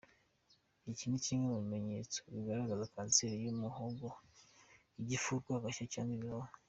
Iki ni kimwe mu bimenyetso bigaragaza kanseri y’umuhogo, igifu ,urwagashya cyangwa ibihaha.